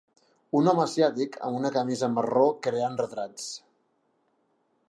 Un home asiàtic amb una camisa marró creant retrats.